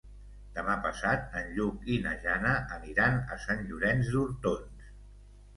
Demà passat en Lluc i na Jana aniran a Sant Llorenç d'Hortons.